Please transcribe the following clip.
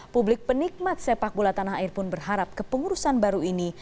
publik penikmat sepak bola tanah air pun berharap kepengurusan baru ini